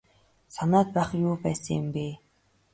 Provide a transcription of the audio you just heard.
Санаад байх юу байсан юм бэ.